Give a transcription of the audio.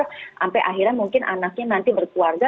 sampai akhirnya mungkin anaknya nanti berkeluarga